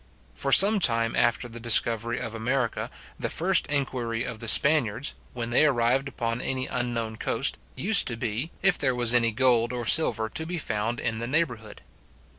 For some time after the discovery of America, the first inquiry of the Spaniards, when they arrived upon any unknown coast, used to be, if there was any gold or silver to be found in the neighbourhood?